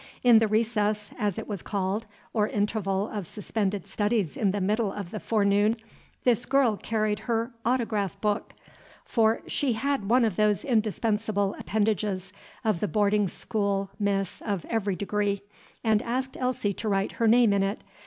In the recess, as it was called, or interval of suspended studies in the middle of the forenoon, this girl carried her autograph book, for she had one of those indispensable appendages of the boarding school miss of every degree, and asked Elsie to write her name in it.